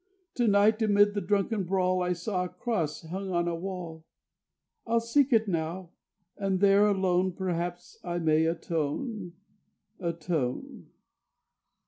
To night amid the drunken brawl I saw a Cross hung on a wall; I'll seek it now, and there alone Perhaps I may atone, atone.